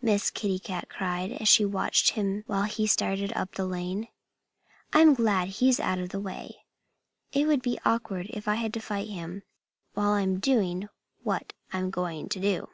Miss Kitty cried, as she watched him while he started up the lane. "I'm glad he's out of the way. It would be awkward if I had to fight him while I'm doing what I'm going to do."